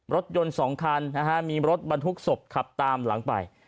รถยนต์๒คันนะฮะมีรถบรรทุกศพขับตามหลังไป